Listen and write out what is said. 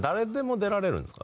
出られるんですか。